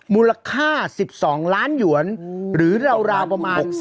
มูลค่า๑๒ล้านหยวนหรือราวประมาณ๖๐